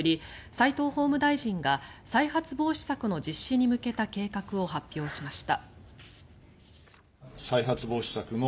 齋藤法務大臣が再発防止策の実施に向けた計画を発表しました。